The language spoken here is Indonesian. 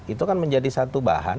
itu kan menjadi satu bahan